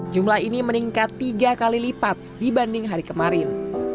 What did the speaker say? jumlah ini meningkat tiga kali lipat dibanding hari kemarin